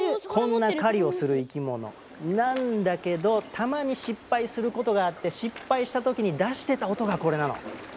こんな狩りをする生き物なんだけどたまに失敗することがあって失敗した時に出してた音がこれなの。